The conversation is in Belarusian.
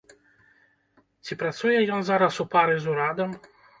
Ці працуе ён зараз у пары з урадам?